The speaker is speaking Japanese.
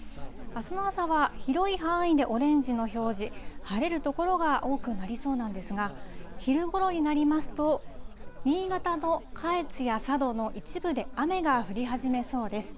あすの朝は、広い範囲でオレンジの表示、晴れる所が多くなりそうなんですが、昼ごろになりますと、新潟の下越や佐渡の一部で雨が降り始めそうです。